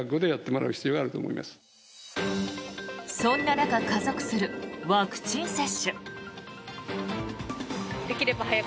そんな中、加速するワクチン接種。